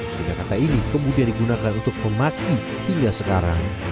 sehingga kata ini kemudian digunakan untuk memaki hingga sekarang